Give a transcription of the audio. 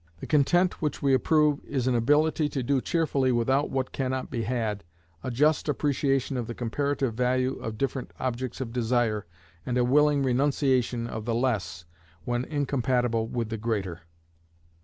The content which we approve is an ability to do cheerfully without what can not be had, a just appreciation of the comparative value of different objects of desire, and a willing renunciation of the less when incompatible with the greater.